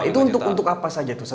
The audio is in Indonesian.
itu untuk apa saja